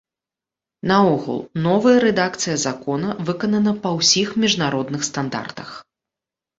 Наогул, новая рэдакцыя закона выканана па ўсіх міжнародных стандартах.